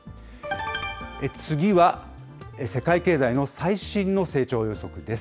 次は世界経済の最新の成長予測です。